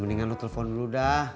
mendingan lu telepon dulu dah